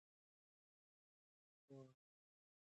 لیکوال دا جرئت لري.